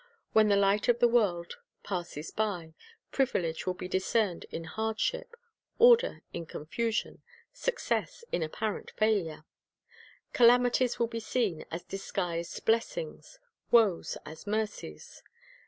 When the Light of the world passes by, privilege will be discerned in hardship, order in confusion, success in apparent failure. Calamities will be seen as disguised blessings; woes, as mercies.